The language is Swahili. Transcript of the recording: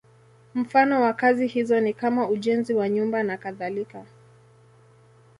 Mfano wa kazi hizo ni kama ujenzi wa nyumba nakadhalika.